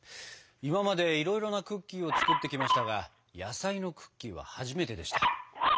今までいろいろなクッキーを作ってきましたが野菜のクッキーは初めてでした。